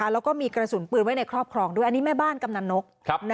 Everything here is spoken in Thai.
แล้วก็มีกระสุนปืนไว้ในครอบครองด้วยอันนี้แม่บ้านกำนันนก